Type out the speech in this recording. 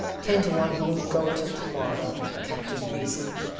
"Ten to one he won't go till to morrow," Campton reasoned.